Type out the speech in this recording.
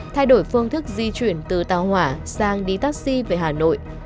thay đổi phương thức di chuyển từ tàu hỏa sang đi taxi về hà nội